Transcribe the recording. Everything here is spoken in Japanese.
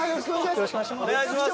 よろしくお願いします。